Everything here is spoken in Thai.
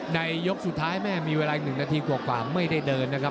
ยกสุดท้ายแม่มีเวลาอีก๑นาทีกว่าไม่ได้เดินนะครับ